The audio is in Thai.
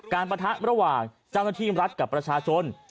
ปะทะระหว่างเจ้าหน้าที่รัฐกับประชาชน